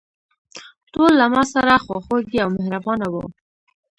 ټول له ماسره خواخوږي او مهربانه وو.